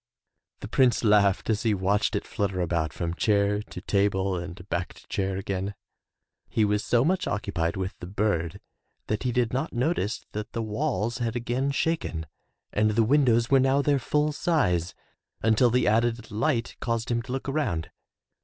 The Prince laughed as he watched it flutter about from chair to table and back to chair again. He was so much occupied with the bird that he did not notice that the walls had again shaken and the windows were now their full size, until the added light caused him to look around.